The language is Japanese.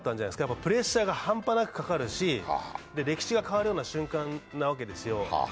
プレッシャーが半端なくかかるし、歴史が変わるような瞬間なわけですよ。